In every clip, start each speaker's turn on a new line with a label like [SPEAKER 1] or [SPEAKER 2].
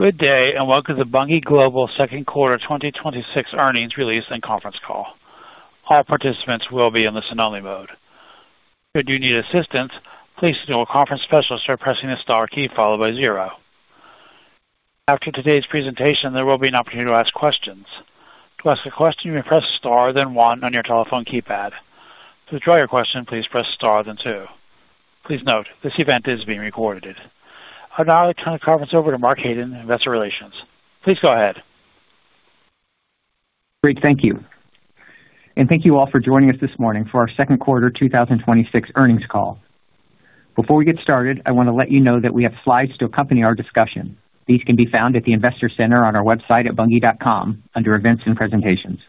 [SPEAKER 1] Good day. Welcome to Bunge Global second quarter 2026 earnings release and conference call. All participants will be in listen only mode. If you need assistance, please let your conference specialist by pressing the star key followed by zero. After today's presentation, there will be an opportunity to ask questions. To ask a question, you may press star then one on your telephone keypad. To withdraw your question, please press star then two. Please note, this event is being recorded. I'd now like to turn the conference over to Mark Haden, Investor Relations. Please go ahead.
[SPEAKER 2] Great. Thank you. Thank you all for joining us this morning for our second quarter 2026 earnings call. Before we get started, I want to let you know that we have slides to accompany our discussion. These can be found at the Investor Center on our website at bunge.com under Events and Presentations.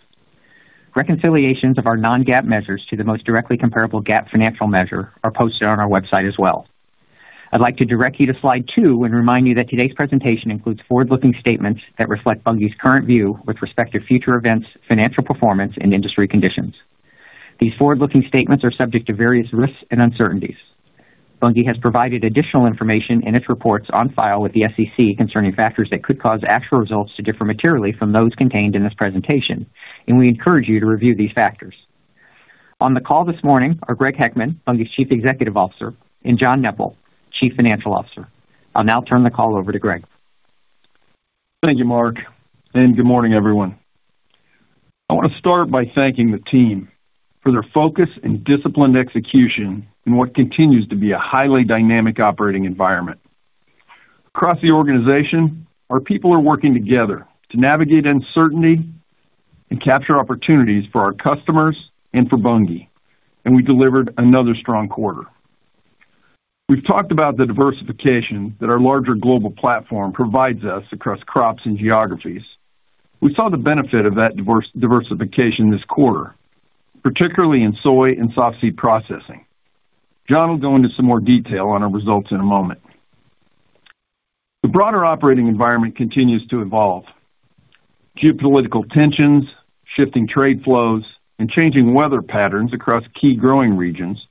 [SPEAKER 2] Reconciliations of our non-GAAP measures to the most directly comparable GAAP financial measure are posted on our website as well. I'd like to direct you to slide two and remind you that today's presentation includes forward-looking statements that reflect Bunge's current view with respect to future events, financial performance, and industry conditions. These forward-looking statements are subject to various risks and uncertainties. Bunge has provided additional information in its reports on file with the SEC concerning factors that could cause actual results to differ materially from those contained in this presentation. We encourage you to review these factors. On the call this morning are Greg Heckman, Bunge's Chief Executive Officer, and John Neppl, Chief Financial Officer. I'll now turn the call over to Greg.
[SPEAKER 3] Thank you, Mark. Good morning, everyone. I want to start by thanking the team for their focus and disciplined execution in what continues to be a highly dynamic operating environment. Across the organization, our people are working together to navigate uncertainty and capture opportunities for our customers and for Bunge. We delivered another strong quarter. We've talked about the diversification that our larger global platform provides us across crops and geographies. We saw the benefit of that diversification this quarter, particularly in soy and softseed processing. John will go into some more detail on our results in a moment. The broader operating environment continues to evolve. Geopolitical tensions, shifting trade flows, and changing weather patterns across key growing regions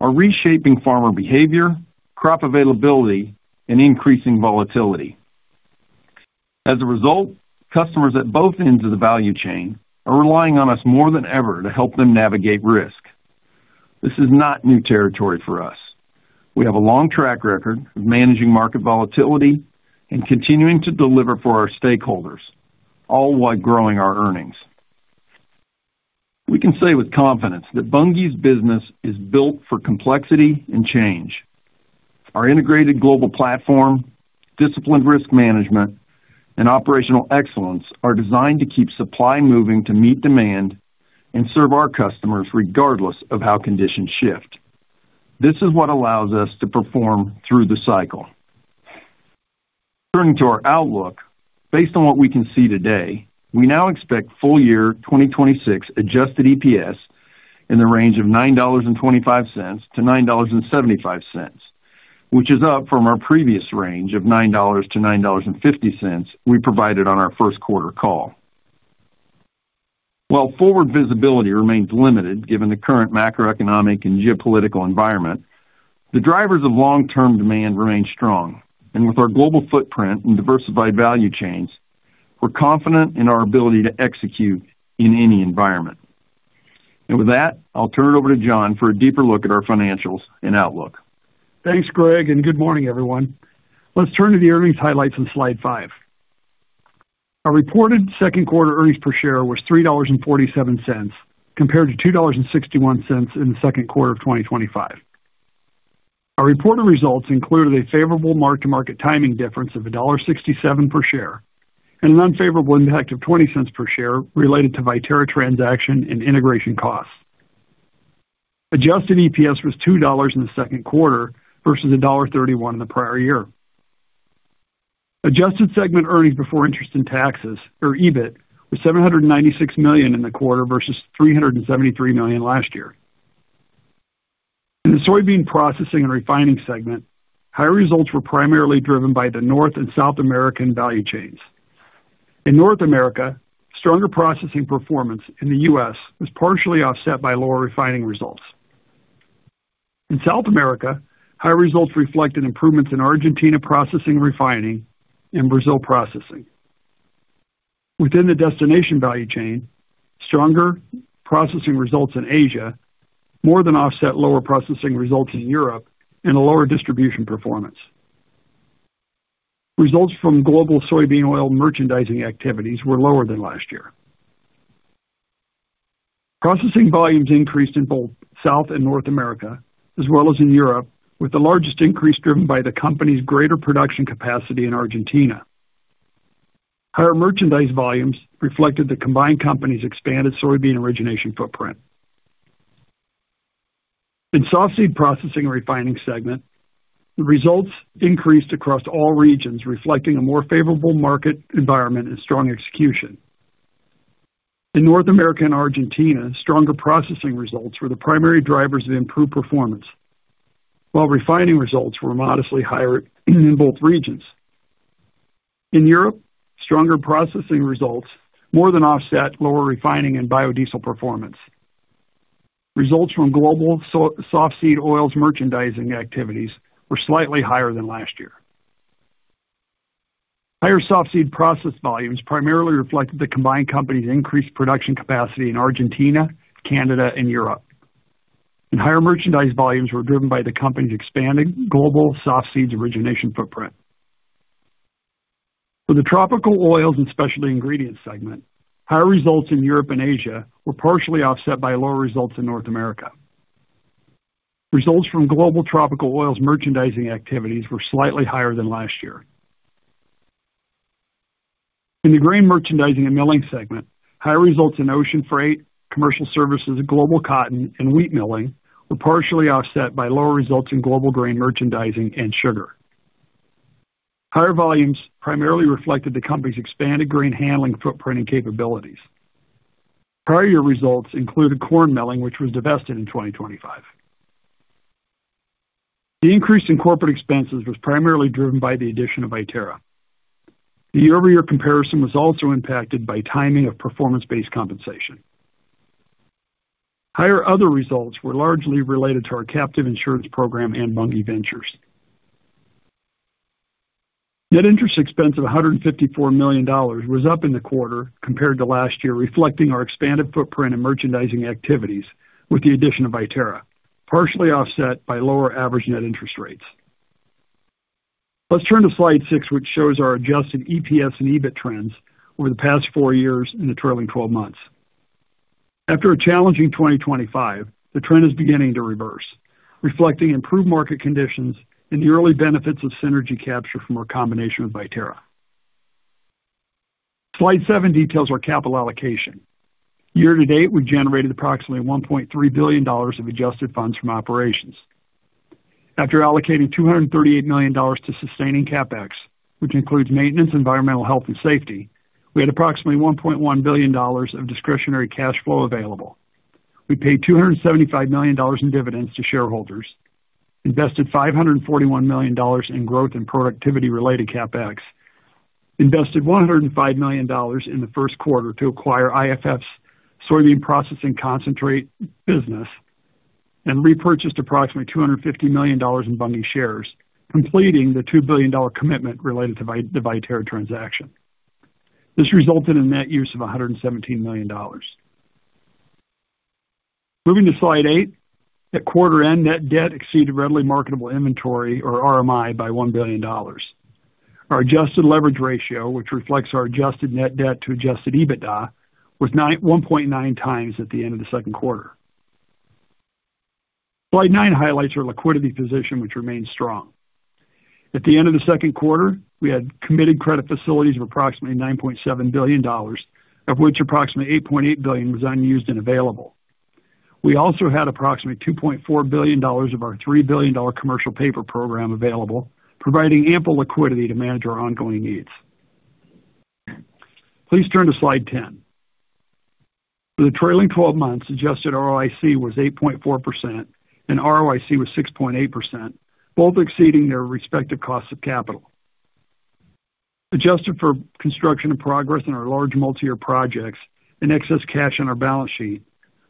[SPEAKER 3] are reshaping farmer behavior, crop availability, and increasing volatility. As a result, customers at both ends of the value chain are relying on us more than ever to help them navigate risk. This is not new territory for us. We have a long track record of managing market volatility and continuing to deliver for our stakeholders, all while growing our earnings. We can say with confidence that Bunge's business is built for complexity and change. Our integrated global platform, disciplined risk management, and operational excellence are designed to keep supply moving to meet demand and serve our customers regardless of how conditions shift. This is what allows us to perform through the cycle. Turning to our outlook, based on what we can see today, we now expect full year 2026 adjusted EPS in the range of $9.25-$9.75, which is up from our previous range of $9-$9.50 we provided on our first quarter call. While forward visibility remains limited given the current macroeconomic and geopolitical environment, the drivers of long-term demand remain strong. With our global footprint and diversified value chains, we're confident in our ability to execute in any environment. With that, I'll turn it over to John for a deeper look at our financials and outlook.
[SPEAKER 4] Thanks, Greg. Good morning, everyone. Let's turn to the earnings highlights on slide five. Our reported second quarter earnings per share was $3.47 compared to $2.61 in the second quarter of 2025. Our reported results included a favorable mark-to-market timing difference of $1.67 per share and an unfavorable impact of $0.20 per share related to Viterra transaction and integration costs. Adjusted EPS was $2 in the second quarter versus $1.31 in the prior year. Adjusted segment earnings before interest and taxes, or EBIT, was $796 million in the quarter versus $373 million last year. In the soybean processing and refining segment, higher results were primarily driven by the North and South American value chains. In North America, stronger processing performance in the U.S. was partially offset by lower refining results. In South America, higher results reflected improvements in Argentina processing and refining and Brazil processing. Within the destination value chain, stronger processing results in Asia more than offset lower processing results in Europe and a lower distribution performance. Results from global soybean oil merchandising activities were lower than last year. Processing volumes increased in both South and North America, as well as in Europe, with the largest increase driven by the company's greater production capacity in Argentina. Higher merchandise volumes reflected the combined company's expanded soybean origination footprint. In softseed processing and refining segment, the results increased across all regions, reflecting a more favorable market environment and strong execution. In North America and Argentina, stronger processing results were the primary drivers of improved performance. While refining results were modestly higher in both regions. In Europe, stronger processing results more than offset lower refining and biodiesel performance. Results from global softseed oils merchandising activities were slightly higher than last year. Higher softseed process volumes primarily reflected the combined company's increased production capacity in Argentina, Canada, and Europe. Higher merchandise volumes were driven by the company's expanding global softseeds origination footprint. For the tropical oils and specialty ingredients segment, higher results in Europe and Asia were partially offset by lower results in North America. Results from global tropical oils merchandising activities were slightly higher than last year. In the grain merchandising and milling segment, higher results in ocean freight, commercial services, global cotton, and wheat milling were partially offset by lower results in global grain merchandising and sugar. Higher volumes primarily reflected the company's expanded grain handling footprint and capabilities. Prior year results included corn milling, which was divested in 2025. The increase in corporate expenses was primarily driven by the addition of Viterra. The year-over-year comparison was also impacted by timing of performance-based compensation. Higher other results were largely related to our captive insurance program and Bunge Ventures. Net interest expense of $154 million was up in the quarter compared to last year, reflecting our expanded footprint and merchandising activities with the addition of Viterra, partially offset by lower average net interest rates. Let's turn to slide six, which shows our adjusted EPS and EBIT trends over the past four years and the trailing 12 months. After a challenging 2025, the trend is beginning to reverse, reflecting improved market conditions and the early benefits of synergy capture from our combination with Viterra. Slide seven details our capital allocation. Year to date, we generated approximately $1.3 billion of adjusted funds from operations. After allocating $238 million to sustaining CapEx, which includes maintenance, environmental health, and safety, we had approximately $1.1 billion of discretionary cash flow available. We paid $275 million in dividends to shareholders, invested $541 million in growth and productivity-related CapEx, invested $105 million in the first quarter to acquire IFF's soybean processing concentrate business, and repurchased approximately $250 million in Bunge shares, completing the $2 billion commitment related to the Viterra transaction. This resulted in net use of $117 million. Moving to slide eight. At quarter end, net debt exceeded readily marketable inventory, or RMI, by $1 billion. Our adjusted leverage ratio, which reflects our adjusted net debt to adjusted EBITDA, was 1.9X at the end of the second quarter. Slide nine highlights our liquidity position, which remains strong. At the end of the second quarter, we had committed credit facilities of approximately $9.7 billion, of which approximately $8.8 billion was unused and available. We also had approximately $2.4 billion of our $3 billion commercial paper program available, providing ample liquidity to manage our ongoing needs. Please turn to slide 10. For the trailing 12 months, adjusted ROIC was 8.4% and ROIC was 6.8%, both exceeding their respective costs of capital. Adjusted for construction and progress on our large multi-year projects and excess cash on our balance sheet,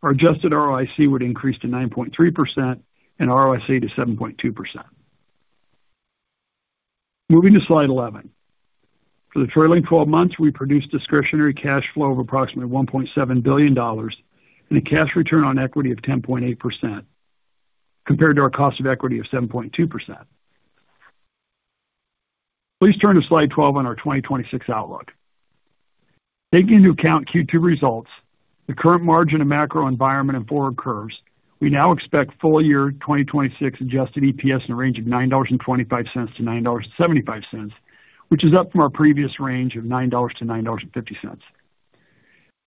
[SPEAKER 4] our adjusted ROIC would increase to 9.3% and ROIC to 7.2%. Moving to slide 11. For the trailing 12 months, we produced discretionary cash flow of approximately $1.7 billion and a cash return on equity of 10.8%, compared to our cost of equity of 7.2%. Please turn to slide 12 on our 2026 outlook. Taking into account Q2 results, the current margin and macro environment and forward curves, we now expect full year 2026 adjusted EPS in a range of $9.25-$9.75, which is up from our previous range of $9-$9.50.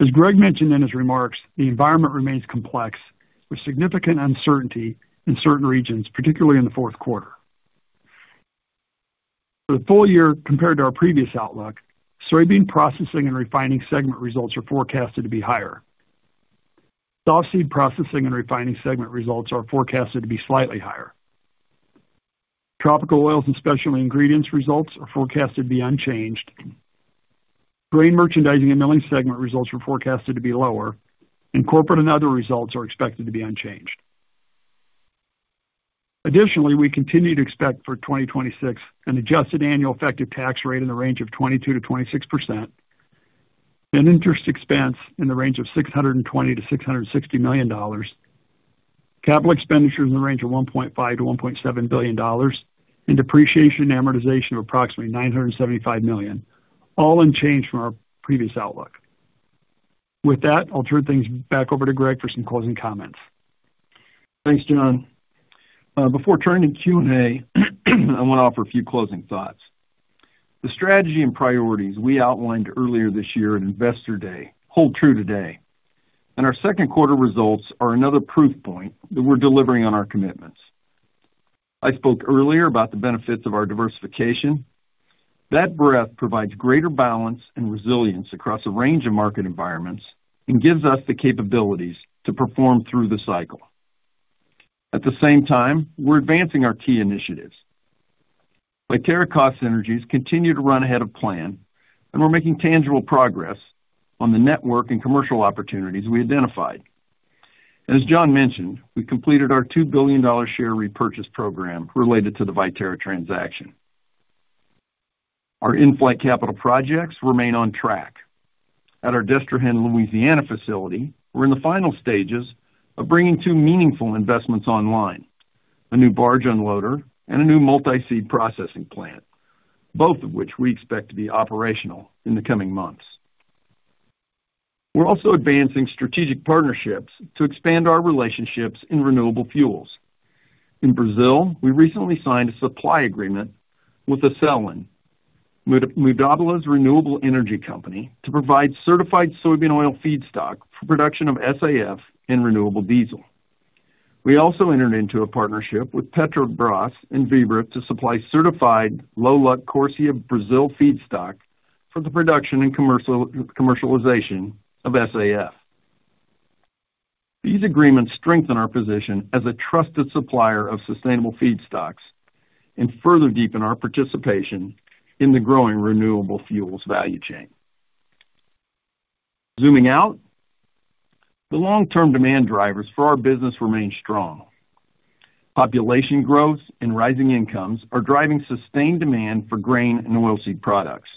[SPEAKER 4] As Greg mentioned in his remarks, the environment remains complex with significant uncertainty in certain regions, particularly in the fourth quarter. For the full year, compared to our previous outlook, soybean processing and refining segment results are forecasted to be higher. Softseed processing and refining segment results are forecasted to be slightly higher. Tropical oils and specialty ingredients results are forecasted to be unchanged. Grain merchandising and milling segment results are forecasted to be lower, and corporate and other results are expected to be unchanged. Additionally, we continue to expect for 2026 an adjusted annual effective tax rate in the range of 22%-26%, an interest expense in the range of $620 million-$660 million, capital expenditures in the range of $1.5 billion-$1.7 billion, and depreciation and amortization of approximately $975 million, all unchanged from our previous outlook. With that, I'll turn things back over to Greg for some closing comments.
[SPEAKER 3] Thanks, John. Before turning to Q&A, I want to offer a few closing thoughts. The strategy and priorities we outlined earlier this year at Investor Day hold true today, and our second quarter results are another proof point that we're delivering on our commitments. I spoke earlier about the benefits of our diversification. That breadth provides greater balance and resilience across a range of market environments and gives us the capabilities to perform through the cycle. At the same time, we're advancing our key initiatives. Viterra cost synergies continue to run ahead of plan, and we're making tangible progress on the network and commercial opportunities we identified. As John mentioned, we completed our $2 billion share repurchase program related to the Viterra transaction. Our in-flight capital projects remain on track. At our Destrehan, Louisiana facility, we're in the final stages of bringing two meaningful investments online, a new barge unloader and a new multi-seed processing plant, both of which we expect to be operational in the coming months. We're also advancing strategic partnerships to expand our relationships in renewable fuels. In Brazil, we recently signed a supply agreement with Acelen, Mubadala's renewable energy company, to provide certified soybean oil feedstock for production of SAF and renewable diesel. We also entered into a partnership with Petrobras and Vibra to supply certified low ILUC CORSIA Brazil feedstock for the production and commercialization of SAF. These agreements strengthen our position as a trusted supplier of sustainable feedstocks and further deepen our participation in the growing renewable fuels value chain. Zooming out, the long-term demand drivers for our business remain strong. Population growth and rising incomes are driving sustained demand for grain and oilseed products.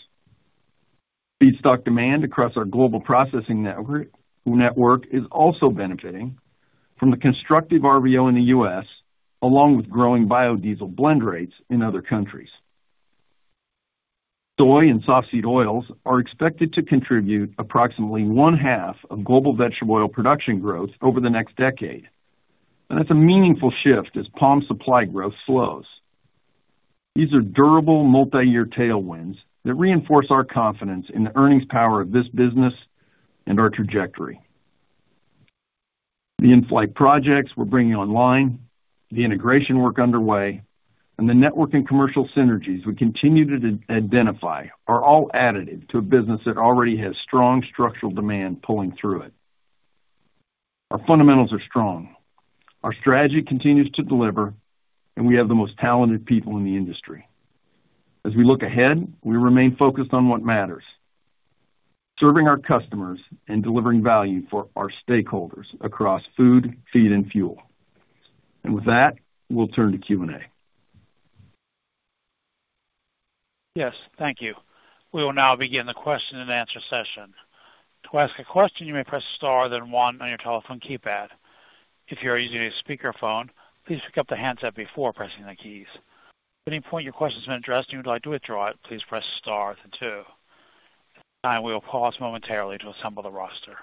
[SPEAKER 3] Feedstock demand across our global processing network is also benefiting from the constructive RVO in the U.S., along with growing biodiesel blend rates in other countries. Soy and softseed oils are expected to contribute approximately one-half of global vegetable oil production growth over the next decade. That's a meaningful shift as palm supply growth slows. These are durable multi-year tailwinds that reinforce our confidence in the earnings power of this business and our trajectory. The in-flight projects we're bringing online, the integration work underway, and the network and commercial synergies we continue to identify are all additive to a business that already has strong structural demand pulling through it. Our fundamentals are strong. Our strategy continues to deliver, and we have the most talented people in the industry. As we look ahead, we remain focused on what matters: serving our customers and delivering value for our stakeholders across food, feed, and fuel. With that, we'll turn to Q&A.
[SPEAKER 1] Yes. Thank you. We will now begin the question-and-answer session. To ask a question, you may press star, then one on your telephone keypad. If you're using a speakerphone, please pick up the handset before pressing the keys. At any point your question has been addressed and you would like to withdraw it, please press star then two. At this time we'll pause momentarily to assemble the roster.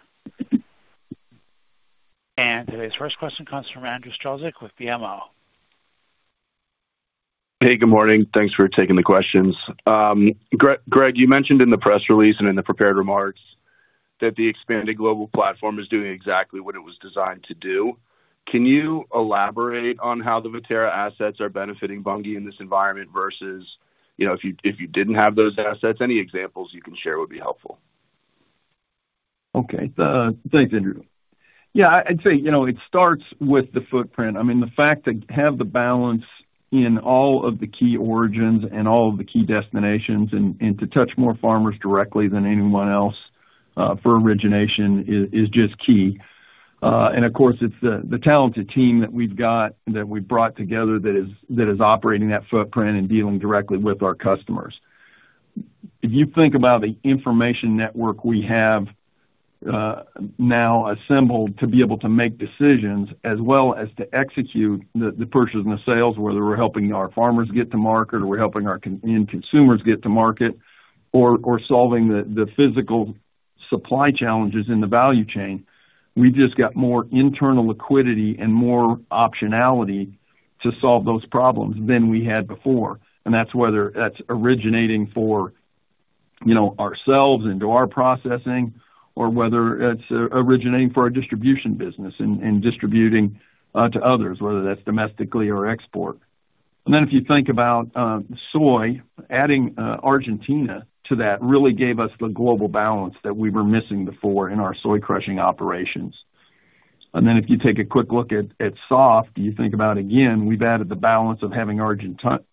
[SPEAKER 1] Today's first question comes from Andrew Strelzik with BMO.
[SPEAKER 5] Hey, good morning. Thanks for taking the questions. Greg, you mentioned in the press release and in the prepared remarks that the expanded global platform is doing exactly what it was designed to do. Can you elaborate on how the Viterra assets are benefiting Bunge in this environment versus if you didn't have those assets? Any examples you can share would be helpful.
[SPEAKER 3] Okay. Thanks, Andrew. Yeah, I'd say it starts with the footprint. The fact that have the balance in all of the key origins and all of the key destinations and to touch more farmers directly than anyone else for origination is just key. Of course, it's the talented team that we've got and that we've brought together that is operating that footprint and dealing directly with our customers. If you think about the information network we have now assembled to be able to make decisions as well as to execute the purchases and the sales, whether we're helping our farmers get to market or we're helping our end consumers get to market or solving the physical supply challenges in the value chain, we've just got more internal liquidity and more optionality to solve those problems than we had before. That's whether that's originating for ourselves into our processing or whether it's originating for our distribution business and distributing to others, whether that's domestically or export. If you think about soy, adding Argentina to that really gave us the global balance that we were missing before in our soy crushing operations. If you take a quick look at soft, you think about, again, we've added the balance of having Argentine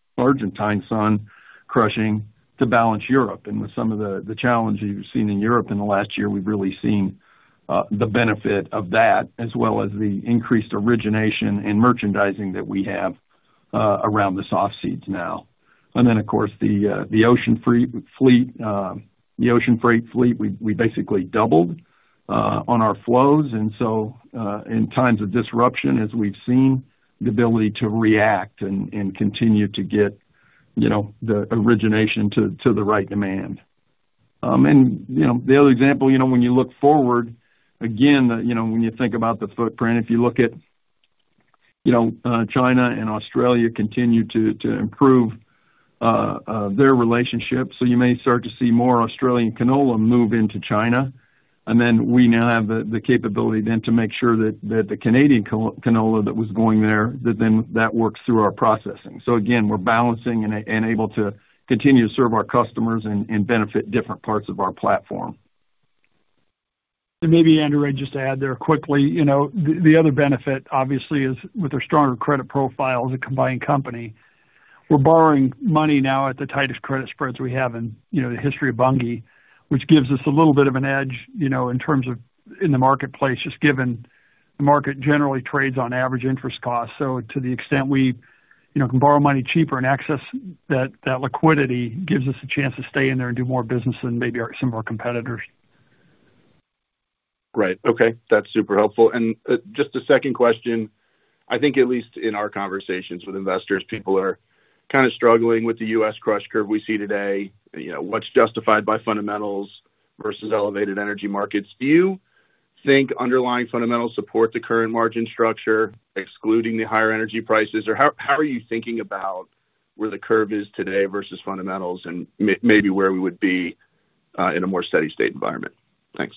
[SPEAKER 3] sun crushing to balance Europe. With some of the challenges we've seen in Europe in the last year, we've really seen the benefit of that, as well as the increased origination and merchandising that we have around the softseeds now. Of course, the ocean freight fleet, we basically doubled on our flows. In times of disruption, as we've seen, the ability to react and continue to get the origination to the right demand. The other example, when you look forward, again, when you think about the footprint, if you look at China and Australia continue to improve their relationship. You may start to see more Australian canola move into China. We now have the capability then to make sure that the Canadian canola that was going there, that then that works through our processing. Again, we're balancing and able to continue to serve our customers and benefit different parts of our platform.
[SPEAKER 4] Maybe, Andrew, I just add there quickly. The other benefit, obviously, is with our stronger credit profile as a combined company. We're borrowing money now at the tightest credit spreads we have in the history of Bunge, which gives us a little bit of an edge in terms of in the marketplace, just given the market generally trades on average interest costs. To the extent we can borrow money cheaper and access that liquidity gives us a chance to stay in there and do more business than maybe some of our competitors.
[SPEAKER 5] Right. Okay. That's super helpful. Just a second question. I think at least in our conversations with investors, people are kind of struggling with the U.S. crush curve we see today. What's justified by fundamentals versus elevated energy markets? Do you think underlying fundamentals support the current margin structure, excluding the higher energy prices? How are you thinking about where the curve is today versus fundamentals and maybe where we would be in a more steady state environment? Thanks.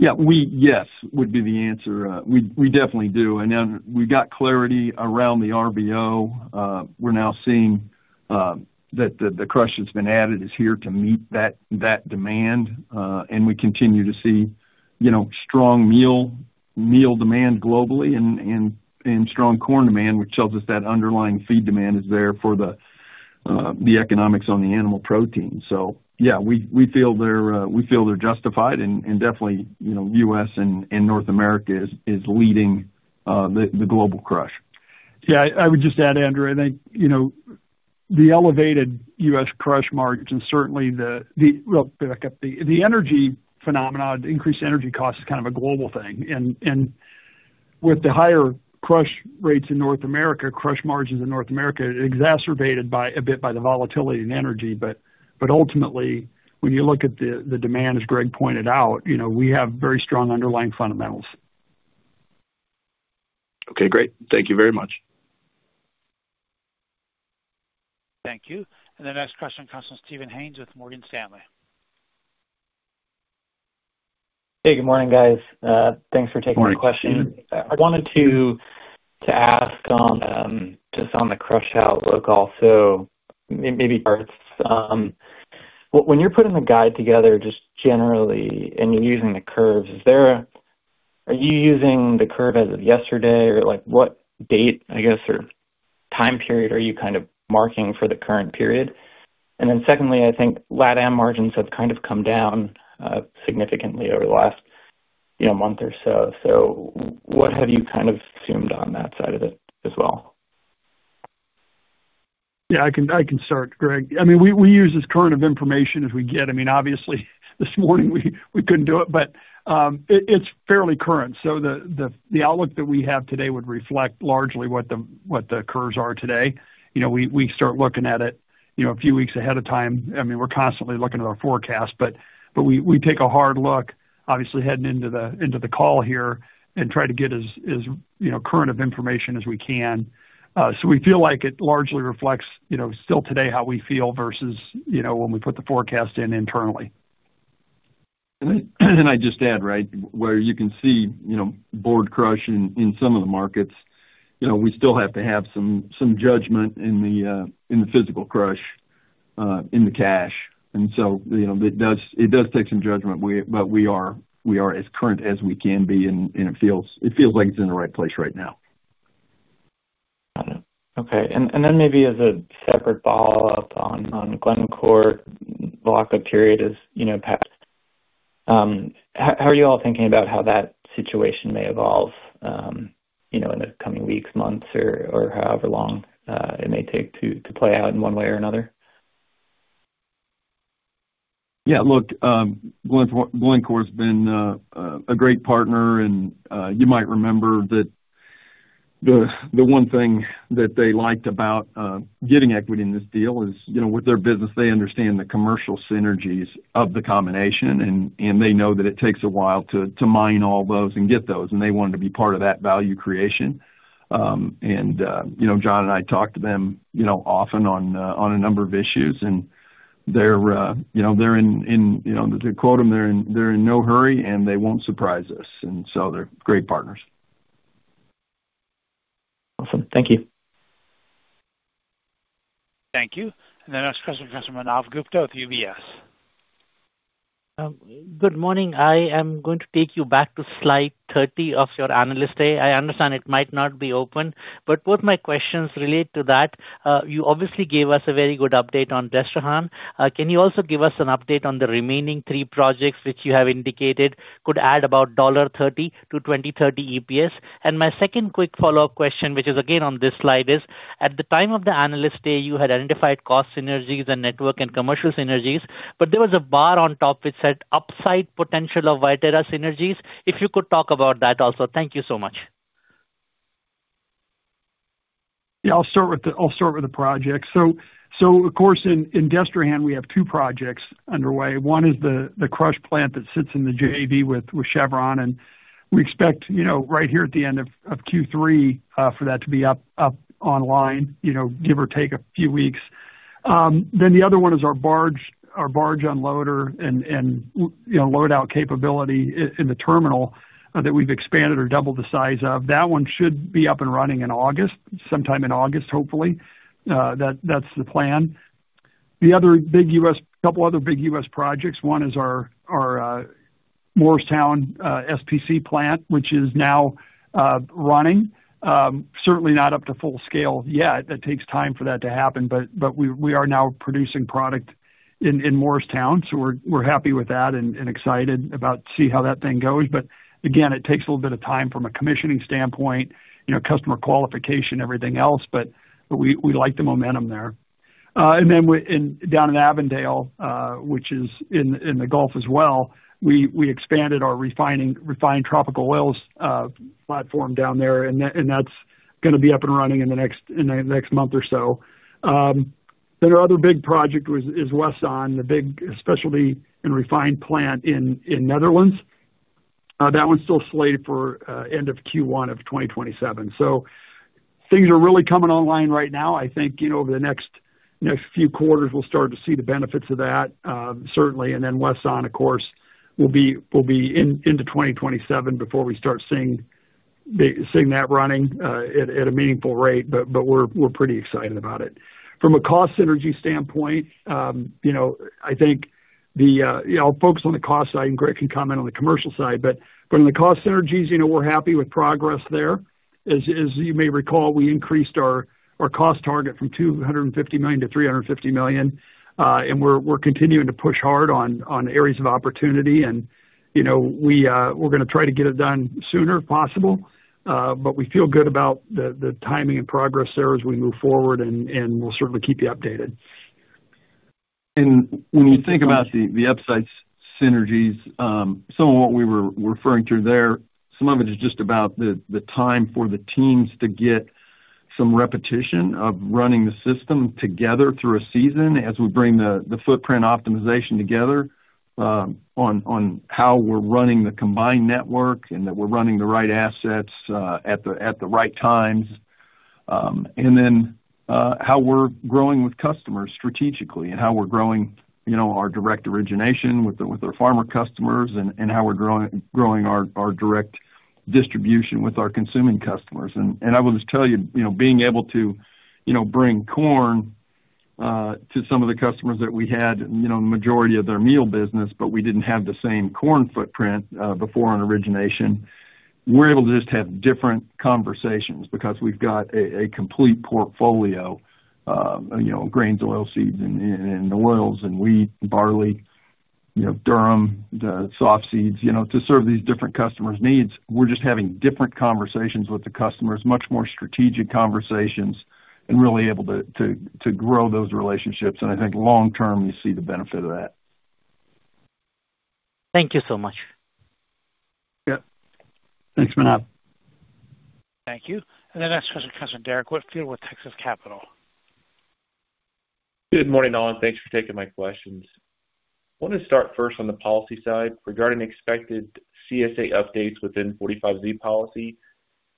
[SPEAKER 3] Yeah. Yes, would be the answer. We definitely do. Now we got clarity around the RVO. We're now seeing that the crush that's been added is here to meet that demand. We continue to see strong meal demand globally and strong corn demand, which tells us that underlying feed demand is there for the economics on the animal protein. Yeah, we feel they're justified and definitely, U.S. and North America is leading the global crush.
[SPEAKER 4] Yeah, I would just add, Andrew, I think, the elevated U.S. crush margins and certainly the well, back up. The energy phenomenon, increased energy cost is kind of a global thing. With the higher crush rates in North America, crush margins in North America exacerbated a bit by the volatility in energy. Ultimately, when you look at the demand, as Greg pointed out, we have very strong underlying fundamentals.
[SPEAKER 5] Okay, great. Thank you very much.
[SPEAKER 1] Thank you. The next question comes from Steven Haynes with Morgan Stanley.
[SPEAKER 6] Hey, good morning, guys. Thanks for taking my question.
[SPEAKER 3] Morning. I wanted to ask just on the crush outlook also, maybe parts. When you're putting the guide together just generally and you're using the curves, are you using the curve as of yesterday or what date, I guess, or time period are you kind of marking for the current period? Secondly, I think LatAm margins have kind of come down significantly over the last month or so. What have you kind of assumed on that side of it as well?
[SPEAKER 4] Yeah, I can start, Greg. We use as current of information as we get. Obviously, this morning we couldn't do it, but it's fairly current. The outlook that we have today would reflect largely what the curves are today. We start looking at it a few weeks ahead of time. We're constantly looking at our forecast. We take a hard look, obviously heading into the call here and try to get as current of information as we can. We feel like it largely reflects still today how we feel versus when we put the forecast in internally.
[SPEAKER 3] I just add, where you can see board crush in some of the markets. We still have to have some judgment in the physical crush in the cash. It does take some judgment. We are as current as we can be, and it feels like it's in the right place right now.
[SPEAKER 6] Got it. Okay. Maybe as a separate follow-up on Glencore, lock-up period is passed. How are you all thinking about how that situation may evolve in the coming weeks, months or however long it may take to play out in one way or another?
[SPEAKER 3] Yeah, look, Glencore's been a great partner, you might remember that the one thing that they liked about getting equity in this deal is with their business, they understand the commercial synergies of the combination, they know that it takes a while to mine all those and get those, they wanted to be part of that value creation. John and I talk to them often on a number of issues, to quote them, "They're in no hurry, and they won't surprise us." They're great partners.
[SPEAKER 6] Awesome. Thank you.
[SPEAKER 1] Thank you. The next question comes from Manav Gupta with UBS.
[SPEAKER 7] Good morning. I am going to take you back to slide 30 of your Analyst Day. I understand it might not be open, but both my questions relate to that. You obviously gave us a very good update on Destrehan. Can you also give us an update on the remaining three projects which you have indicated could add about $1.30 to 2030 EPS? My second quick follow-up question, which is again on this slide, is at the time of the Analyst Day, you had identified cost synergies and network and commercial synergies, but there was a bar on top which said upside potential of Viterra synergies. If you could talk about that also. Thank you so much.
[SPEAKER 4] Yeah, I'll start with the project. Of course, in Destrehan, we have two projects underway. One is the crush plant that sits in the JV with Chevron, and we expect right here at the end of Q3 for that to be up online give or take a few weeks. The other one is our barge unloader and load-out capability in the terminal that we've expanded or doubled the size of. That one should be up and running in August, sometime in August, hopefully. That's the plan. The couple other big U.S. projects, one is our Morristown SPC plant, which is now running. Certainly not up to full scale yet. It takes time for that to happen, but we are now producing product in Morristown. We're happy with that and excited about see how that thing goes. Again, it takes a little bit of time from a commissioning standpoint, customer qualification, everything else, but we like the momentum there. Down in Avondale, which is in the Gulf as well, we expanded our refined tropical oils platform down there, and that's going to be up and running in the next month or so. The other big project is Westhaven, the big specialty and refined plant in Netherlands. That one's still slated for end of Q1 of 2027. Things are really coming online right now. I think, over the next few quarters, we'll start to see the benefits of that. Certainly, Westhaven, of course, will be into 2027 before we start seeing that running at a meaningful rate. We're pretty excited about it. From a cost synergy standpoint, I'll focus on the cost side, Greg can comment on the commercial side. On the cost synergies, we're happy with progress there. As you may recall, we increased our cost target from $250 million to $350 million. We're continuing to push hard on areas of opportunity, and we're going to try to get it done sooner if possible. We feel good about the timing and progress there as we move forward, and we'll certainly keep you updated.
[SPEAKER 3] When you think about the upsides synergies, some of what we were referring to there, some of it is just about the time for the teams to get some repetition of running the system together through a season as we bring the footprint optimization together, on how we're running the combined network, and that we're running the right assets at the right times. How we're growing with customers strategically and how we're growing our direct origination with our farmer customers and how we're growing our direct distribution with our consuming customers. I will just tell you, being able to bring corn to some of the customers that we had, the majority of their meal business, but we didn't have the same corn footprint before on origination. We're able to just have different conversations because we've got a complete portfolio of grains, oilseeds, and oils and wheat, barley, durum, soft seeds. To serve these different customers' needs, we're just having different conversations with the customers, much more strategic conversations and really able to grow those relationships. I think long term, you see the benefit of that.
[SPEAKER 7] Thank you so much.
[SPEAKER 3] Yep. Thanks, Manav.
[SPEAKER 1] Thank you. The next question comes from Derrick Whitfield with Texas Capital.
[SPEAKER 8] Good morning, all, and thanks for taking my questions. Wanted to start first on the policy side regarding expected CSA updates within 45Z policy.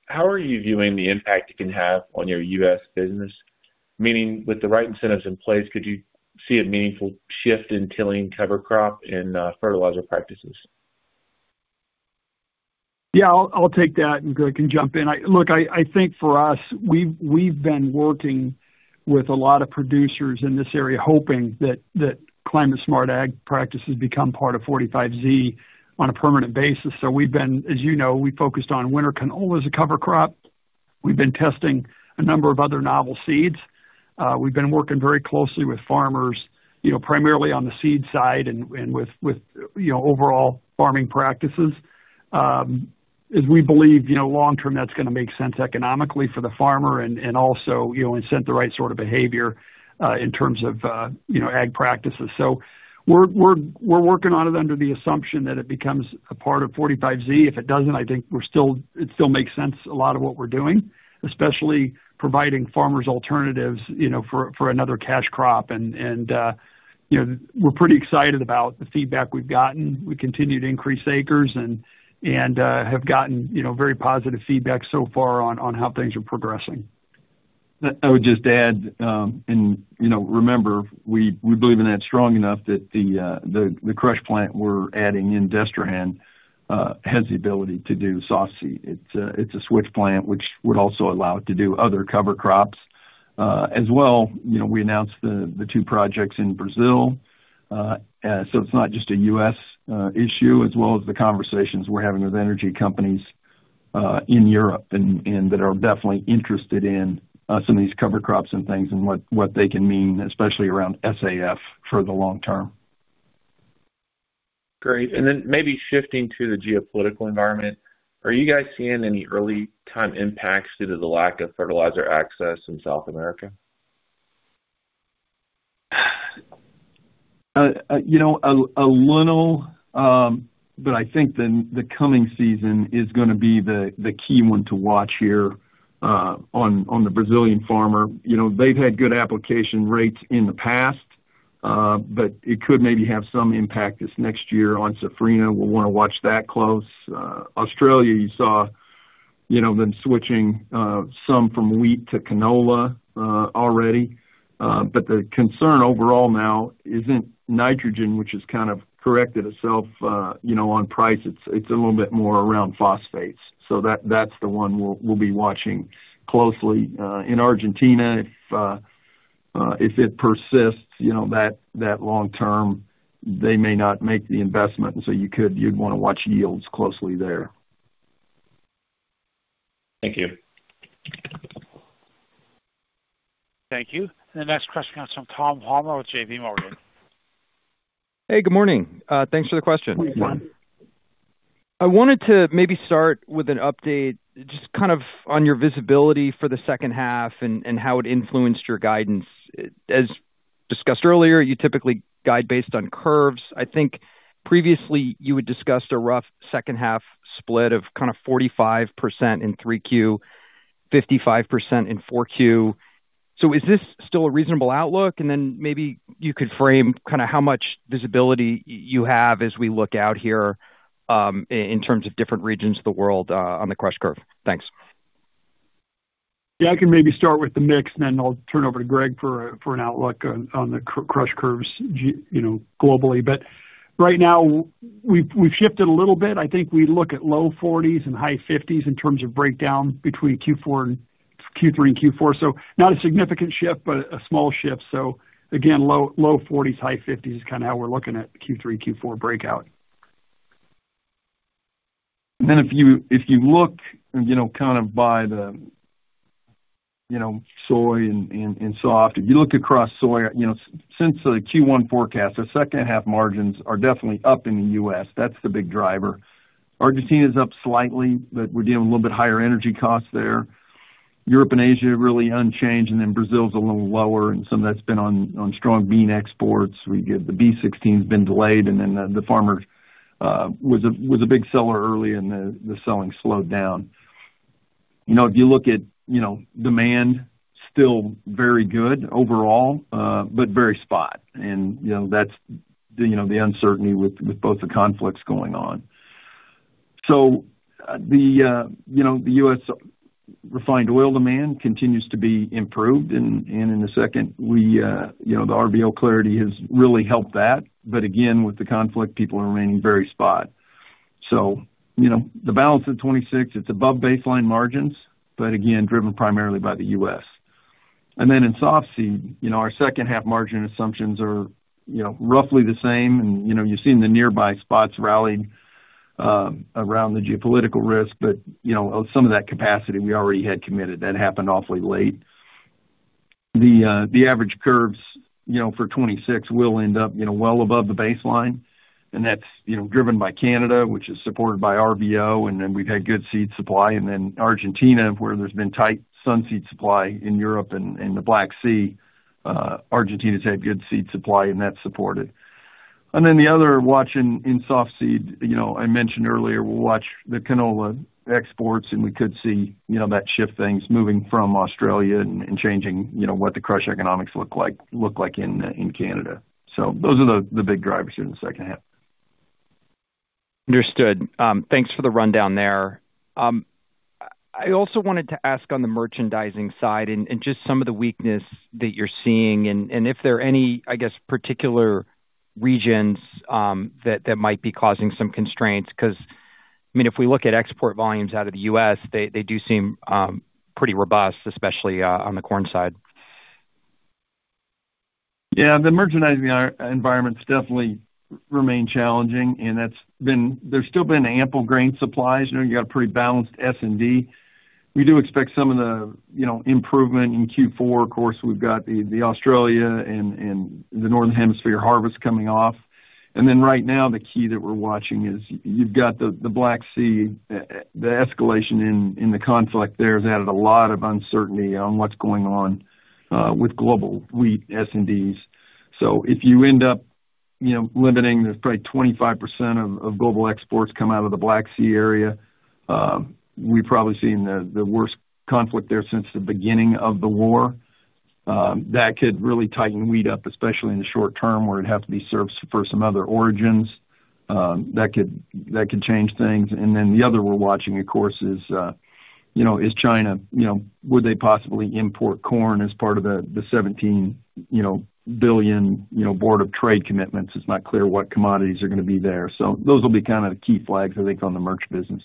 [SPEAKER 8] How are you viewing the impact it can have on your U.S. business? Meaning with the right incentives in place, could you see a meaningful shift in tilling cover crop and fertilizer practices?
[SPEAKER 4] Yeah, I'll take that, and Greg can jump in. Look, I think for us, we've been working with a lot of producers in this area hoping that Climate-Smart ag practices become part of 45Z on a permanent basis. As you know, we focused on winter canola as a cover crop. We've been testing a number of other novel seeds. We've been working very closely with farmers, primarily on the seed side and with overall farming practices. As we believe, long term, that's going to make sense economically for the farmer and also incent the right sort of behavior in terms of ag practices. We're working on it under the assumption that it becomes a part of 45Z. If it doesn't, I think it still makes sense a lot of what we're doing, especially providing farmers alternatives for another cash crop. We're pretty excited about the feedback we've gotten. We continue to increase acres and have gotten very positive feedback so far on how things are progressing.
[SPEAKER 3] I would just add, remember, we believe in that strong enough that the crush plant we're adding in Destrehan has the ability to do soft seed. It's a switch plant which would also allow it to do other cover crops. As well, we announced the two projects in Brazil. It's not just a U.S. issue as well as the conversations we're having with energy companies in Europe and that are definitely interested in some of these cover crops and things and what they can mean, especially around SAF for the long term.
[SPEAKER 8] Great. Then maybe shifting to the geopolitical environment. Are you guys seeing any early-time impacts due to the lack of fertilizer access in South America?
[SPEAKER 3] A little. I think the coming season is going to be the key one to watch here on the Brazilian farmer. They've had good application rates in the past. It could maybe have some impact this next year on Safrinha. We'll want to watch that close. Australia you saw them switching some from wheat to canola already. The concern overall now isn't nitrogen, which has kind of corrected itself on price. It's a little bit more around phosphates. That's the one we'll be watching closely. In Argentina, If it persists that long term, they may not make the investment. You'd want to watch yields closely there.
[SPEAKER 8] Thank you.
[SPEAKER 1] Thank you. The next question comes from Tom Palmer with JPMorgan.
[SPEAKER 9] Hey, good morning. Thanks for the question.
[SPEAKER 3] Good morning.
[SPEAKER 9] I wanted to maybe start with an update, just kind of on your visibility for the second half and how it influenced your guidance. As discussed earlier, you typically guide based on curves. I think previously you had discussed a rough second half split of 45% in Q3, 55% in Q4. Is this still a reasonable outlook? Maybe you could frame how much visibility you have as we look out here in terms of different regions of the world on the crush curve. Thanks.
[SPEAKER 4] Yeah, I can maybe start with the mix, I'll turn over to Greg for an outlook on the crush curves globally. Right now we've shifted a little bit. I think we look at low 40s and high 50s in terms of breakdown between Q3 and Q4. Not a significant shift, but a small shift. Again, low 40s, high 50s is kind of how we're looking at Q3, Q4 breakout. If you look by the soy and soft. If you look across soy, since the Q1 forecast, the second half margins are definitely up in the U.S. That's the big driver. Argentina is up slightly, but we're dealing with a little bit higher energy costs there. Europe and Asia, really unchanged, Brazil is a little lower, and some of that's been on strong bean exports. The B16 has been delayed, the farmer was a big seller early, and the selling slowed down. If you look at demand, still very good overall, but very spot. That's the uncertainty with both the conflicts going on. The U.S. refined oil demand continues to be improved. In a second, the RVO clarity has really helped that. Again, with the conflict, people are remaining very spot. The balance at 2026, it's above baseline margins, but again, driven primarily by the U.S. In softseed, our second half margin assumptions are roughly the same. You've seen the nearby spots rallied around the geopolitical risk. Some of that capacity we already had committed. That happened awfully late. The average curves for 2026 will end up well above the baseline. That's driven by Canada, which is supported by RVO, we've had good seed supply. Argentina, where there's been tight sun seed supply in Europe and the Black Sea. Argentina's had good seed supply, and that's supported. The other watch in softseed, I mentioned earlier, we'll watch the canola exports, and we could see that shift things moving from Australia and changing what the crush economics look like in Canada. Those are the big drivers here in the second half.
[SPEAKER 9] Understood. Thanks for the rundown there. I also wanted to ask on the merchandising side and just some of the weakness that you're seeing and if there are any, I guess, particular regions that might be causing some constraints, because, if we look at export volumes out of the U.S., they do seem pretty robust, especially on the corn side.
[SPEAKER 3] Yeah. The merchandising environment's definitely remained challenging, and there's still been ample grain supplies. You got a pretty balanced S&D. We do expect some of the improvement in Q4. Of course, we've got the Australia and the Northern Hemisphere harvests coming off. Right now the key that we're watching is you've got the Black Sea. The escalation in the conflict there has added a lot of uncertainty on what's going on with global wheat S&Ds. If you end up limiting probably 25% of global exports come out of the Black Sea area. We've probably seen the worst conflict there since the beginning of the war. That could really tighten wheat up, especially in the short term, where it'd have to be serviced for some other origins. That could change things. The other we're watching, of course, is China. Would they possibly import corn as part of the 17 billion board of trade commitments? It's not clear what commodities are going to be there. Those will be kind of the key flags, I think, on the merch business.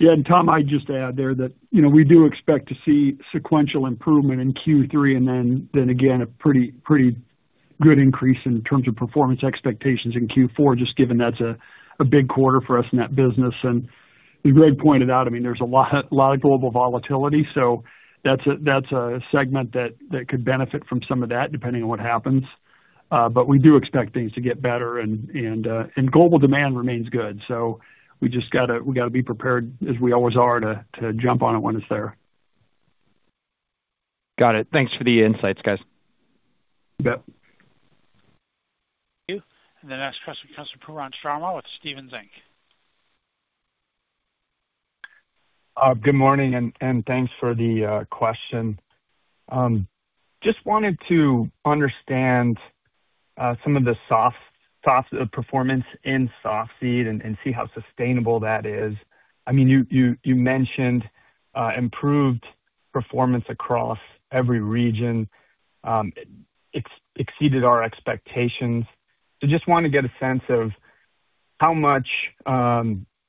[SPEAKER 4] Yeah. Tom, I'd just add there that we do expect to see sequential improvement in Q3 and then again, a pretty good increase in terms of performance expectations in Q4, just given that's a big quarter for us in that business. Greg pointed out, there's a lot of global volatility. That's a segment that could benefit from some of that, depending on what happens. We do expect things to get better and global demand remains good. We've got to be prepared, as we always are, to jump on it when it's there.
[SPEAKER 9] Got it. Thanks for the insights, guys.
[SPEAKER 3] You bet.
[SPEAKER 1] Thank you. The next question comes from Pooran Sharma with Stephens Inc.
[SPEAKER 10] Good morning, thanks for the question. Just wanted to understand some of the performance in soft seed and see how sustainable that is. You mentioned improved performance across every region. It exceeded our expectations. Just want to get a sense of how much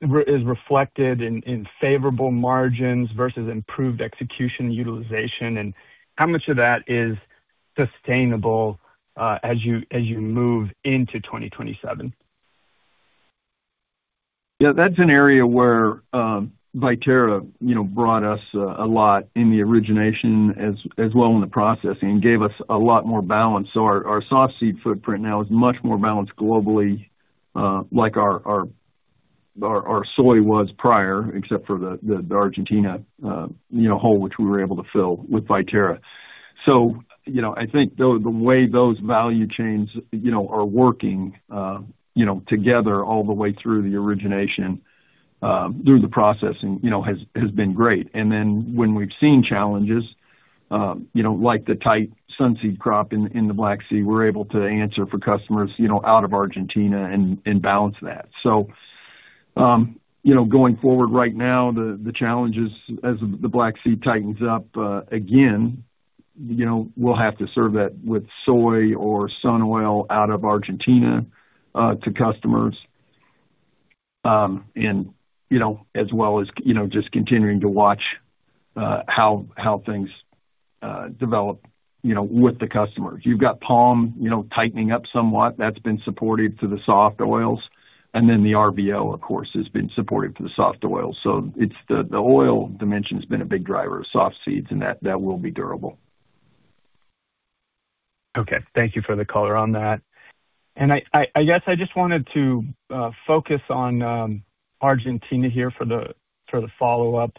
[SPEAKER 10] is reflected in favorable margins versus improved execution utilization, and how much of that is sustainable as you move into 2027?
[SPEAKER 3] Yeah, that's an area where Viterra brought us a lot in the origination as well in the processing, gave us a lot more balance. Our soft seed footprint now is much more balanced globally like our soy was prior, except for the Argentina hole, which we were able to fill with Viterra. I think the way those value chains are working together all the way through the origination, through the processing has been great. Then when we've seen challenges like the tight sun seed crop in the Black Sea, we're able to answer for customers out of Argentina and balance that. Going forward right now, the challenges as the Black Sea tightens up, again, we'll have to serve that with soy or sun oil out of Argentina to customers. As well as just continuing to watch how things develop with the customers. You've got palm tightening up somewhat. That's been supportive to the soft oils. Then the RVO, of course, has been supportive to the soft oils. The oil dimension's been a big driver of softseeds and that will be durable.
[SPEAKER 10] Okay. Thank you for the color on that. I guess I just wanted to focus on Argentina here for the follow-up.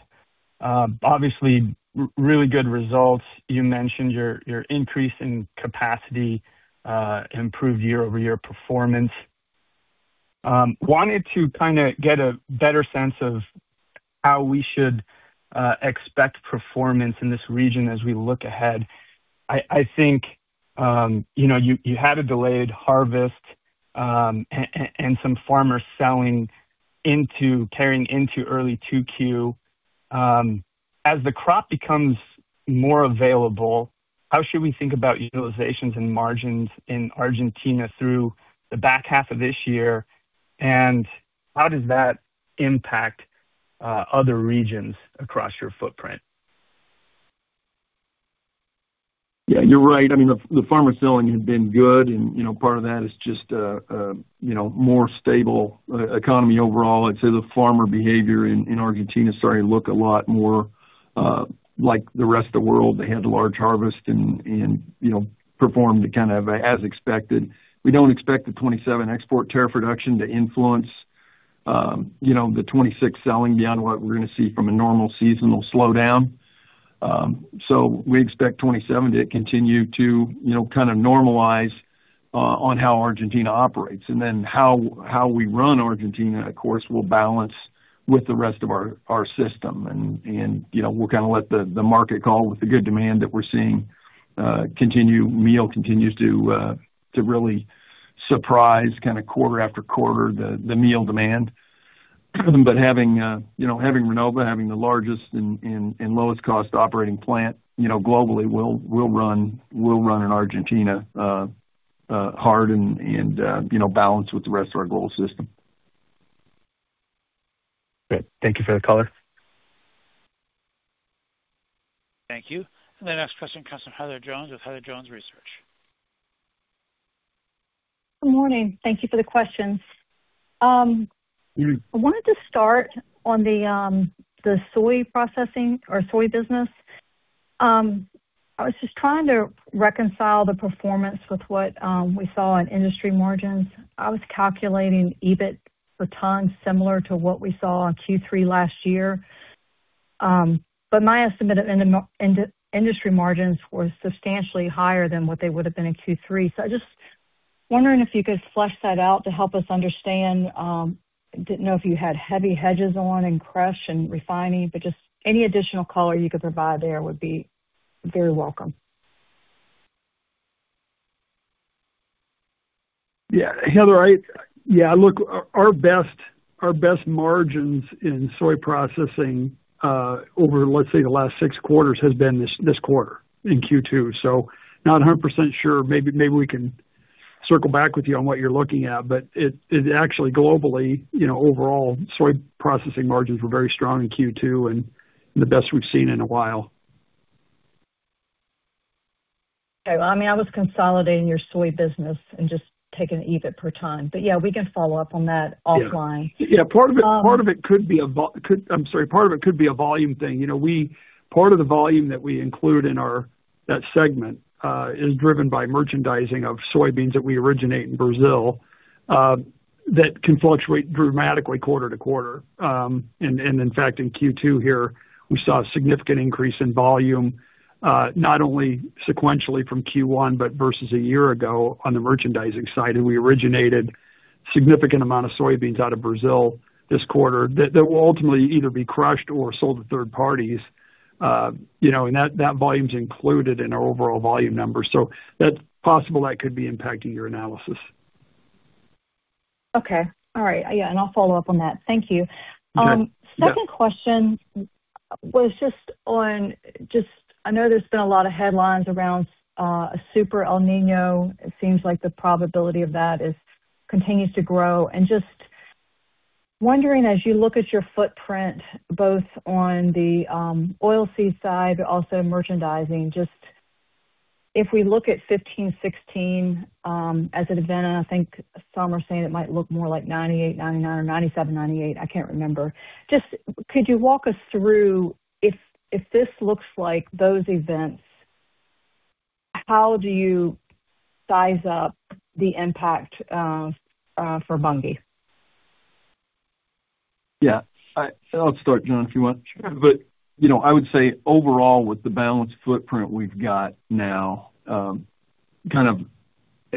[SPEAKER 10] Obviously, really good results. You mentioned your increase in capacity, improved year-over-year performance. Wanted to get a better sense of how we should expect performance in this region as we look ahead. I think you had a delayed harvest, and some farmers selling into carrying into early 2Q. As the crop becomes more available, how should we think about utilizations and margins in Argentina through the back half of this year, and how does that impact other regions across your footprint?
[SPEAKER 3] Yeah, you're right. I mean, the farmer selling has been good and part of that is just a more stable economy overall. I'd say the farmer behavior in Argentina is starting to look a lot more like the rest of the world. They had a large harvest and performed kind of as expected. We don't expect the 2027 export tariff reduction to influence the 2026 selling beyond what we're going to see from a normal seasonal slowdown. We expect 2027 to continue to normalize on how Argentina operates. Then how we run Argentina, of course, will balance with the rest of our system. We'll kind of let the market call with the good demand that we're seeing continue. Meal continues to really surprise kind of quarter after quarter, the meal demand. Having Renova, having the largest and lowest cost operating plant globally will run in Argentina hard and balance with the rest of our global system.
[SPEAKER 10] Good. Thank you for the color.
[SPEAKER 1] Thank you. The next question comes from Heather Jones with Heather Jones Research.
[SPEAKER 11] Good morning. Thank you for the questions. I wanted to start on the soy processing or soy business. I was just trying to reconcile the performance with what we saw in industry margins. I was calculating EBIT per ton similar to what we saw in Q3 last year. My estimate of industry margins was substantially higher than what they would've been in Q3. I'm just wondering if you could flesh that out to help us understand. Didn't know if you had heavy hedges on in crush and refining, but just any additional color you could provide there would be very welcome.
[SPEAKER 3] Yeah. Heather, our best margins in soy processing over, let's say, the last six quarters has been this quarter in Q2. Not 100% sure. Maybe we can circle back with you on what you're looking at. Actually, globally, overall soy processing margins were very strong in Q2 and the best we've seen in a while.
[SPEAKER 11] Okay. Well, I was consolidating your soy business and just taking EBIT per ton. Yeah, we can follow up on that offline.
[SPEAKER 3] Yeah. Part of it could be a volume thing. Part of the volume that we include in that segment, is driven by merchandising of soybeans that we originate in Brazil, that can fluctuate dramatically quarter to quarter. In fact, in Q2 here, we saw a significant increase in volume, not only sequentially from Q1, but versus a year ago on the merchandising side. We originated significant amount of soybeans out of Brazil this quarter that will ultimately either be crushed or sold to third parties. That volume's included in our overall volume numbers. That's possible that could be impacting your analysis.
[SPEAKER 11] Okay. All right. Yeah. I'll follow up on that. Thank you.
[SPEAKER 3] Yeah.
[SPEAKER 11] Second question was just on, I know there's been a lot of headlines around a Super El Niño. It seems like the probability of that continues to grow. Just wondering, as you look at your footprint, both on the oil seed side, but also merchandising, just if we look at 2015, 2016 as an event, I think some are saying it might look more like 1998, 1999 or 1997, 1998, I can't remember. Just could you walk us through if this looks like those events, how do you size up the impact for Bunge?
[SPEAKER 3] Yeah. I'll start, John, if you want.
[SPEAKER 4] Sure. I would say overall, with the balanced footprint we've got now, kind of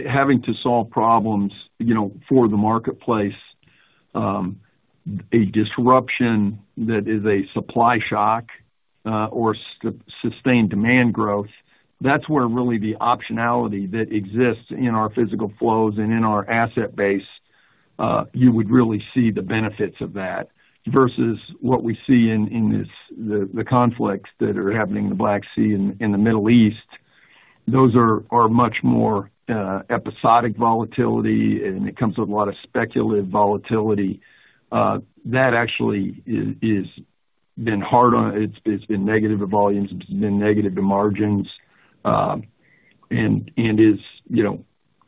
[SPEAKER 4] having to solve problems for the marketplace, a disruption that is a supply shock or sustained demand growth, that's where really the optionality that exists in our physical flows and in our asset base, you would really see the benefits of that versus what we see in the conflicts that are happening in the Black Sea and in the Middle East. Those are much more episodic volatility. It comes with a lot of speculative volatility. That actually it's been negative to volumes, it's been negative to margins, and is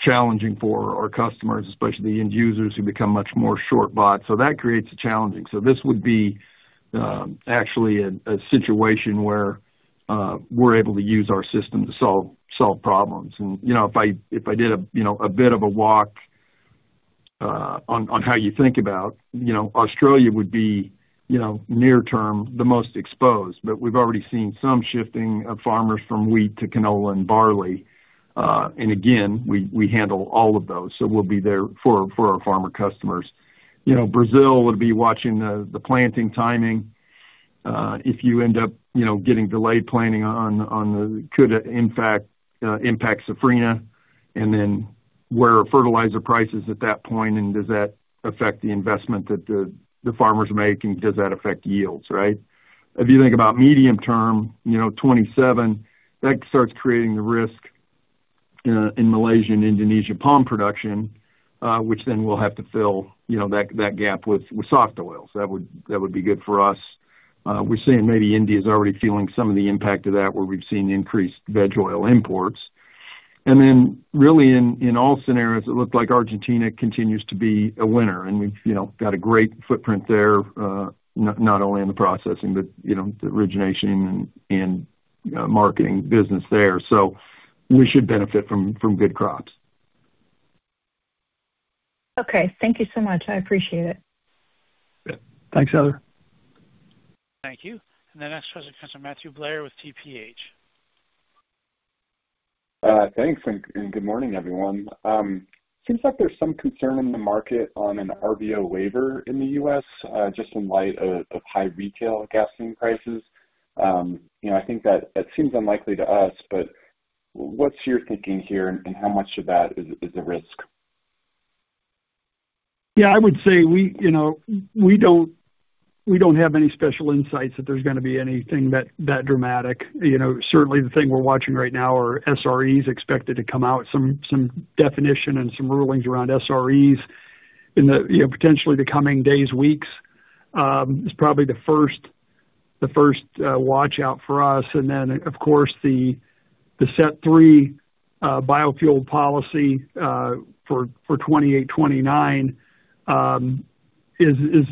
[SPEAKER 4] challenging for our customers, especially the end users who become much more short bought. This would be actually a situation where we're able to use our system to solve problems.
[SPEAKER 3] If I did a bit of a walk on how you think about, Australia would be near term the most exposed, but we've already seen some shifting of farmers from wheat to canola and barley. Again, we handle all of those, so we'll be there for our farmer customers. Brazil would be watching the planting timing. If you end up getting delayed planting on the could impact Safrinha, where are fertilizer prices at that point, and does that affect the investment that the farmers make, and does that affect yields, right? If you think about medium term 2027, that starts creating the risk in Malaysia and Indonesia palm production, which then we'll have to fill that gap with soft oils. That would be good for us. We're seeing maybe India's already feeling some of the impact of that, where we've seen increased veg oil imports. Really in all scenarios, it looks like Argentina continues to be a winner, and we've got a great footprint there, not only in the processing, but the origination and marketing business there. We should benefit from good crops.
[SPEAKER 11] Okay. Thank you so much. I appreciate it.
[SPEAKER 3] Yeah. Thanks, Heather.
[SPEAKER 1] Thank you. The next question comes from Matthew Blair with TPH.
[SPEAKER 12] Thanks, good morning, everyone. Seems like there's some concern in the market on an RVO waiver in the U.S., just in light of high retail gasoline prices. I think that seems unlikely to us, but what's your thinking here, and how much of that is a risk?
[SPEAKER 3] Yeah, I would say we don't have any special insights that there's going to be anything that dramatic. Certainly, the thing we're watching right now are SREs expected to come out, some definition and some rulings around SREs in the potentially the coming days, weeks, is probably the first watch out for us. Then, of course, the Set three biofuel policy for 2028, 2029 is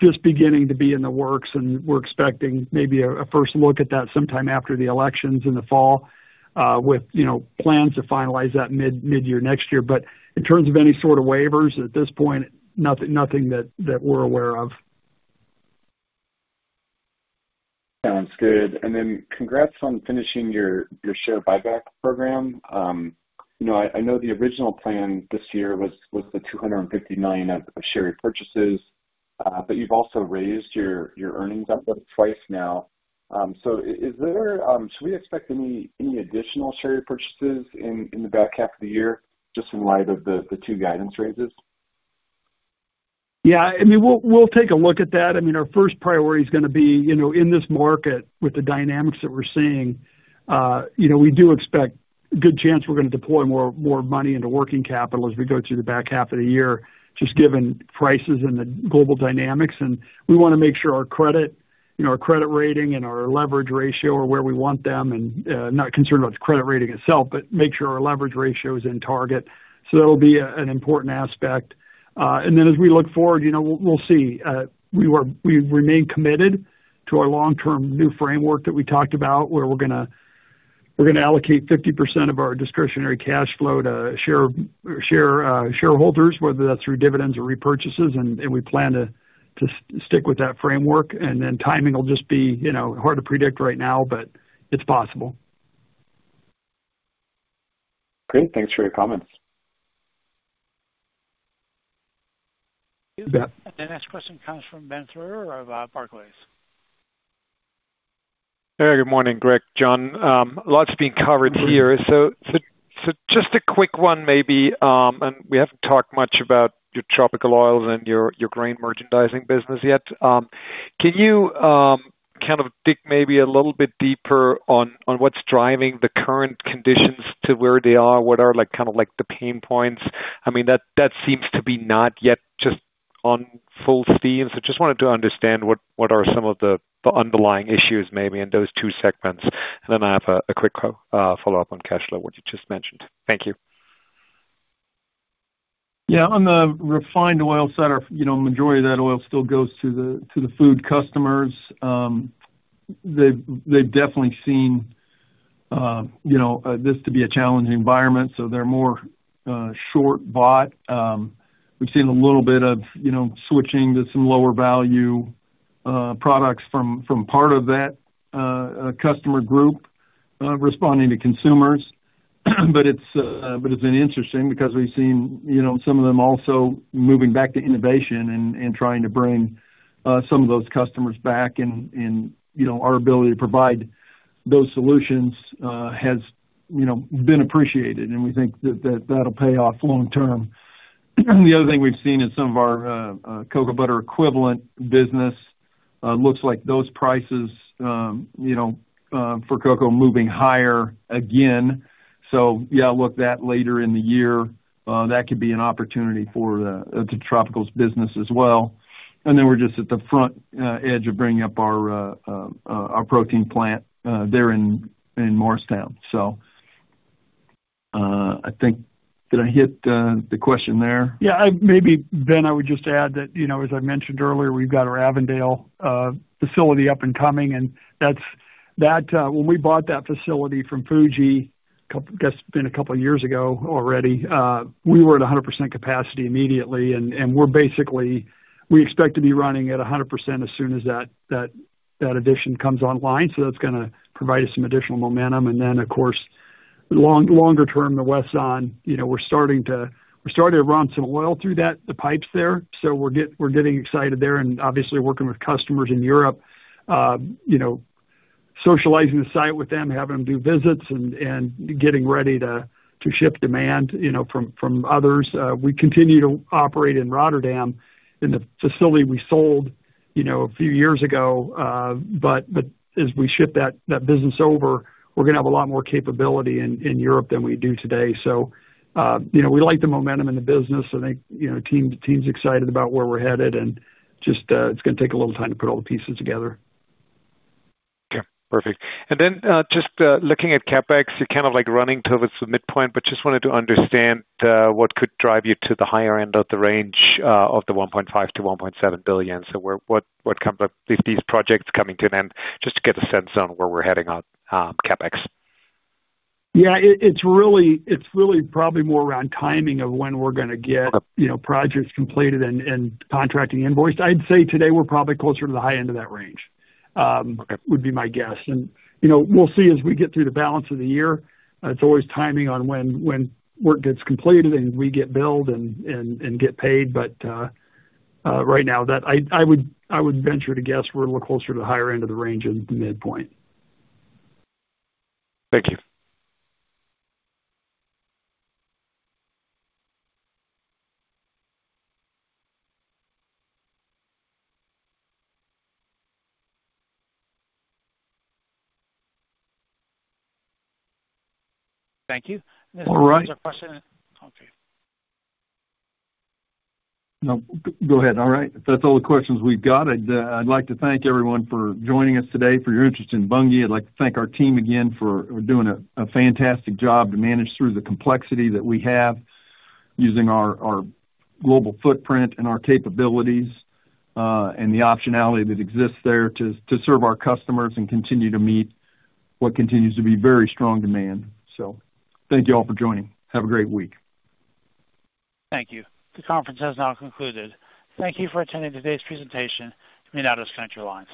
[SPEAKER 3] just beginning to be in the works, and we're expecting maybe a first look at that sometime after the elections in the fall, with plans to finalize that mid-year next year. In terms of any sort of waivers at this point, nothing that we're aware of.
[SPEAKER 12] Sounds good. Then congrats on finishing your share buyback program. I know the original plan this year was the $250 million of share repurchases, but you've also raised your earnings outlook twice now. Should we expect any additional share repurchases in the back half of the year, just in light of the two guidance raises?
[SPEAKER 3] Yeah, we'll take a look at that. Our first priority is going to be in this market with the dynamics that we're seeing. We do expect good chance we're going to deploy more money into working capital as we go through the back half of the year, just given prices and the global dynamics. We want to make sure our credit rating and our leverage ratio are where we want them, not concerned about the credit rating itself, but make sure our leverage ratio is in target. That'll be an important aspect. As we look forward, we'll see. We remain committed to our long-term new framework that we talked about, where we're going to allocate 50% of our discretionary cash flow to shareholders, whether that's through dividends or repurchases, and we plan to stick with that framework. Timing will just be hard to predict right now, but it's possible.
[SPEAKER 12] Great. Thanks for your comments.
[SPEAKER 3] You bet.
[SPEAKER 1] The next question comes from Ben Theurer of Barclays.
[SPEAKER 13] Hey, good morning, Greg, John. Lots being covered here. Just a quick one maybe, we haven't talked much about your tropical oils and your grain merchandising business yet. Can you kind of dig maybe a little bit deeper on what's driving the current conditions to where they are? What are the pain points? That seems to be not yet just on full steam, just wanted to understand what are some of the underlying issues maybe in those two segments. Then I have a quick follow-up on cash flow, what you just mentioned. Thank you.
[SPEAKER 3] Yeah. On the refined oil side, the majority of that oil still goes to the food customers. They've definitely seen this to be a challenging environment, so they're more short bought. We've seen a little bit of switching to some lower value products from part of that customer group responding to consumers. It's been interesting because we've seen some of them also moving back to innovation and trying to bring some of those customers back, our ability to provide those solutions has been appreciated, we think that that'll pay off long term. The other thing we've seen in some of our cocoa butter equivalent business, looks like those prices for cocoa moving higher again. Yeah, look that later in the year. That could be an opportunity for the tropical business as well.
[SPEAKER 4] Then we're just at the front edge of bringing up our protein plant there in Morristown. Did I hit the question there? Yeah, maybe, Ben, I would just add that, as I mentioned earlier, we've got our Avondale facility up and coming. When we bought that facility from Fuji, I guess it's been a couple of years ago already, we were at 100% capacity immediately, we expect to be running at 100% as soon as that addition comes online. That's going to provide us some additional momentum. Then, of course, longer term, the Wesson, we're starting to run some oil through the pipes there. We're getting excited there obviously working with customers in Europe, socializing the site with them, having them do visits, getting ready to ship demand from others. We continue to operate in Rotterdam in the facility we sold a few years ago. As we ship that business over, we're going to have a lot more capability in Europe than we do today. We like the momentum in the business. I think the team's excited about where we're headed and it's going to take a little time to put all the pieces together.
[SPEAKER 13] Okay. Perfect. Then just looking at CapEx, you're kind of running towards the midpoint, but just wanted to understand what could drive you to the higher end of the range of the $1.5 billion-$1.7 billion. These projects coming to an end, just to get a sense on where we're heading on CapEx.
[SPEAKER 4] Yeah. It's really probably more around timing of when we're going to get projects completed and contracting invoiced. I'd say today we're probably closer to the high end of that range. Okay would be my guess. We'll see as we get through the balance of the year. It's always timing on when work gets completed and we get billed and get paid. Right now, I would venture to guess we're a little closer to the higher end of the range than the midpoint.
[SPEAKER 13] Thank you.
[SPEAKER 4] Thank you. All right.
[SPEAKER 1] There's a question. Okay.
[SPEAKER 3] No, go ahead. All right. If that's all the questions we've got, I'd like to thank everyone for joining us today, for your interest in Bunge. I'd like to thank our team again for doing a fantastic job to manage through the complexity that we have using our global footprint and our capabilities, and the optionality that exists there to serve our customers and continue to meet what continues to be very strong demand. Thank you all for joining. Have a great week.
[SPEAKER 1] Thank you. The conference has now concluded. Thank you for attending today's presentation. You may now disconnect your lines.